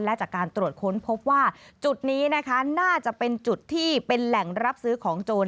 และจากการตรวจค้นพบว่าจุดนี้นะคะน่าจะเป็นจุดที่เป็นแหล่งรับซื้อของโจร